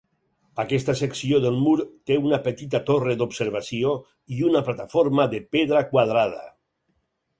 Aquesta secció del mur té una petita torre d'observació i una plataforma de pedra quadrada.